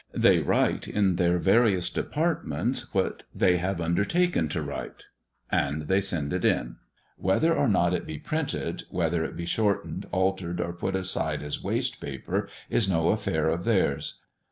They write in their various departments what they have undertaken to write, and they send it in. Whether or not it be printed, whether it be shortened, altered, or put aside as waste paper, is no affair of theirs.